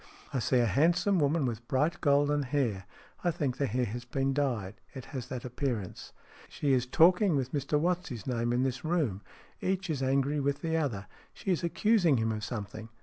" I see a handsome woman with bright golden hair. I think the hair has been dyed. It has that appearance. She is talking with Mr What's his name in this room. Each is angry with the other. She is accusing him of something.